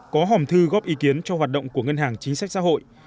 có hòm thư góp ý kiến cho hoạt động của ngân hàng chính sách xã hội